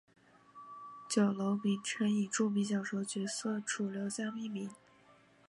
酒楼名称以著名小说角色楚留香命名。